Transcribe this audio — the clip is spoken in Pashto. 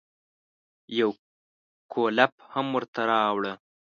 يو کولپ هم ورته راوړه.